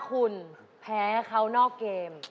คุณแพ้เขานอกเกม